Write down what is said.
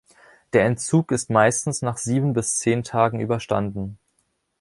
Der Entzug ist meistens nach sieben bis zehn Tagen überstanden.